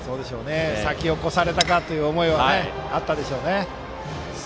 先を越されたかという思いはあったでしょうね。